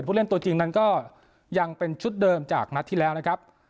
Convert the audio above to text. ผู้เล่นตัวจริงนั้นก็ยังเป็นชุดเดิมจากนัดที่แล้วนะครับ